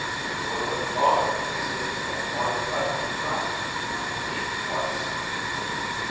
"Your little daughter has given me a hard nut to crack. I need advice."